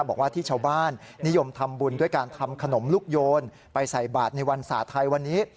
บอกว่าที่ชาวบ้านนิยมทำบุญด้วยการทำขนมลูกโยนไปใส่บาทในวันศาสตร์ไทยวันนี้